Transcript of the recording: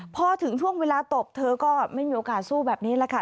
พอถึงช่วงเวลาตบเธอก็ไม่มีโอกาสสู้แบบนี้แหละค่ะ